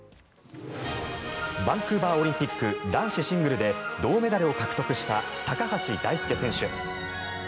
バンクーバーオリンピック男子シングルで銅メダルを獲得した高橋大輔選手。